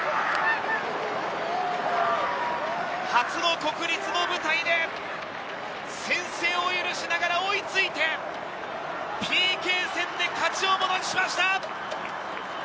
初の国立の舞台で先制を許しながら追いついて、ＰＫ戦で勝ちをものにしました！